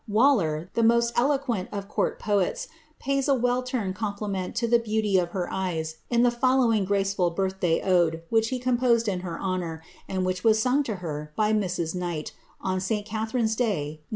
Waller, the most eloqnort ^ of court poets, pays a well turned compliment to the beauty of her eysiy i in the following graceful birth day ode, which he composed in ber 1 honour, and which was sung to her by Mrs. Knight, on St. Catharine^ i day, Nov.